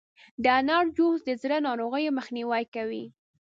د انار جوس د زړه د ناروغیو مخنیوی کوي.